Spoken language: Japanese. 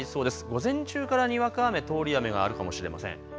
午前中からにわか雨、通り雨があるかもしれません。